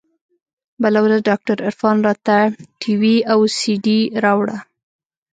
بله ورځ ډاکتر عرفان راته ټي وي او سي ډي راوړه.